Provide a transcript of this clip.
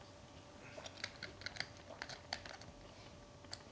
うん。